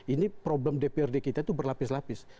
ini problem dprd kita itu berlapis lapis